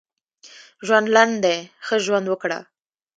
ژوند لنډ دی ښه ژوند وکړه.